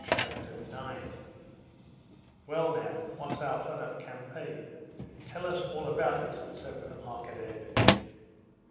Chapter 9 "Well, now what's our plan of campaign? Tell us all about it," said Stepan Arkadyevitch.